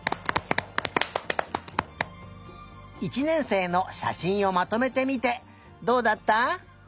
１年生のしゃしんをまとめてみてどうだった？